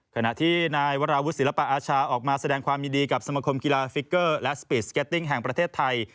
ขณะที่นายวราวุฒิศิลปะอาชาออกมาแสดงความยินดีกับสมคมกีฬาฟิกเกอร์และสปีดสเก็ตติ้งแห่งประเทศไทย